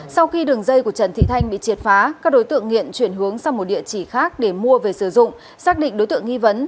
sau khi đường dây của trần thị thanh bị triệt phá các đối tượng nghiện chuyển hướng sang một địa chỉ khác để mua về sử dụng xác định đối tượng nghi vấn